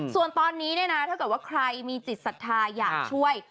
ส่วนตอนนี้เนี่ยนะถ้าเกิดว่าใครมีจิตศรัทธาอยากช่วย